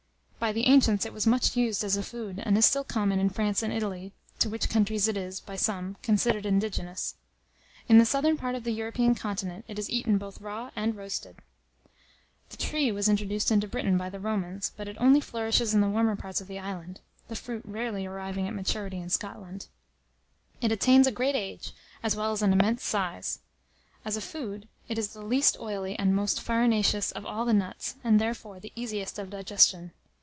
By the ancients it was much used as a food, and is still common in France and Italy, to which countries it is, by some, considered indigenous. In the southern part of the European continent, it is eaten both raw and roasted. The tree was introduced into Britain by the Romans; but it only flourishes in the warmer parts of the island, the fruit rarely arriving at maturity in Scotland. It attains a great age, as well as an immense size. As a food, it is the least oily and most farinaceous of all the nuts, and, therefore, the easiest of digestion.